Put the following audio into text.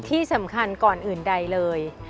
ที่สำคัญก่อนอื่นใดเลย